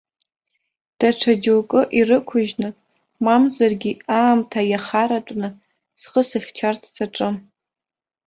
Даҽа џьоукы ирықәыжьны, мамзаргьы аамҭа иахаратәны схы сыхьчарц саҿым.